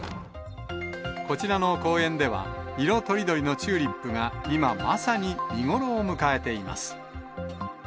こちらの公園では、色とりどりのチューリップが今、まさに見頃を迎えています。